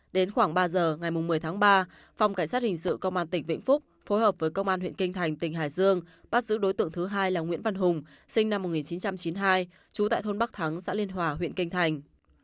đến khoảng ba giờ ngày một mươi tháng ba phòng cảnh sát hình sự công an tỉnh vĩnh phúc phối hợp với công an huyện kinh thành tỉnh hải dương bắt giữ đối tượng thứ hai là nguyễn văn hùng sinh năm một nghìn chín trăm chín mươi hai trú tại thôn bắc thắng xã liên hòa huyện kinh thành